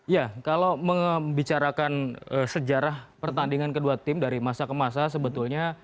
ya kalau membicarakan sejarah pertandingan kedua tim dari masa ke masa sebetulnya